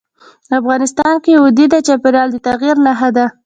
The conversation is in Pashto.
افغانستان کې وادي د چاپېریال د تغیر نښه ده.